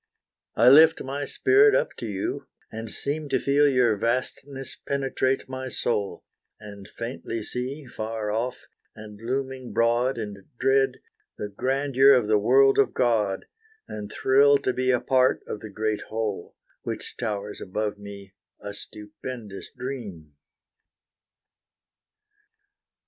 I lift my spirit up to you, and seem To feel your vastness penetrate my soul; And faintly see, far off, and looming broad And dread, the grandeur of the world of God, And thrill to be a part of the great whole, Which towers above me, a stupendous dream.